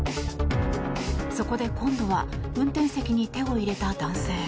そこで今度は運転席に手を入れた男性。